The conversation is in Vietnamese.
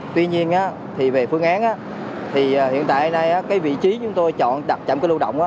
tuy nhiên về phương án hiện tại vị trí chúng tôi chọn chạm cân lưu động